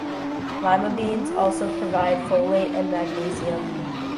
Lima beans also provide folate and magnesium.